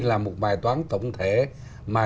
là một bài toán tổng thể mà